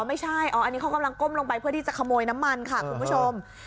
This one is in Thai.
ไม่ใช่อ๋ออันนี้เขากำลังก้มลงไปเพื่อที่จะขโมยน้ำมันค่ะคุณผู้ชม